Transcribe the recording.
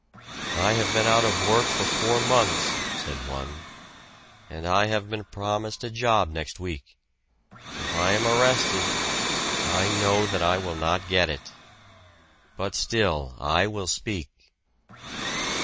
"I have been out of work for four months," said one, "and I have been promised a job next week. If I am arrested, I know that I will not get it. But still I will speak."